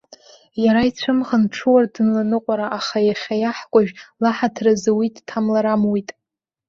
Иара ицәымӷын ҽуардынла аныҟәара, аха иахьа иаҳкәажә лаҳаҭыр азы уи дҭамлар амуит.